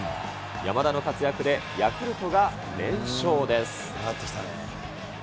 山田の活躍でヤクルトが連勝です。